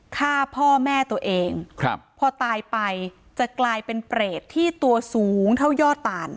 ฆ่าพ่อแม่ตัวเองครับพอตายไปจะกลายเป็นเปรตที่ตัวสูงเท่ายอด่าน